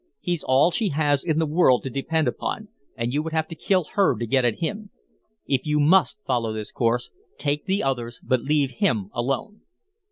He's all she has in the world to depend upon, and you would have to kill her to get at him. If you MUST follow this course, take the others, but leave him alone."